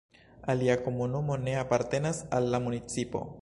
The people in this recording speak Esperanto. Alia komunumo ne apartenas al la municipo.